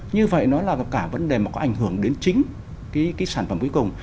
như vậy nó là gặp cả vấn đề mà có ảnh hưởng đến chính cái sản phẩm cuối cùng